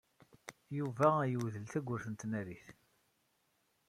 Yuba yemdel tawwurt n tnarit.